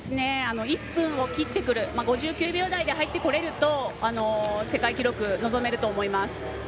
１分を切ってくる５９秒台で入ってこれると世界記録が望めると思います。